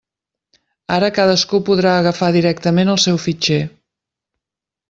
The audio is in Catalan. Ara cadascú podrà agafar directament el seu fitxer.